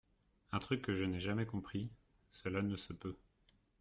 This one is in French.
Un truc que je n’ai jamais compris, cela ne se peut.